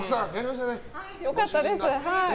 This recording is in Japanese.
よかったです。